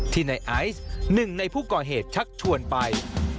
ในไอซ์หนึ่งในผู้ก่อเหตุชักชวนไป